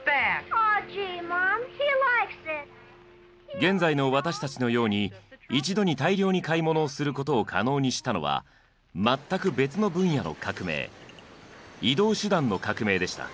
現在の私たちのように一度に大量に買い物をすることを可能にしたのは全く別の分野の革命移動手段の革命でした。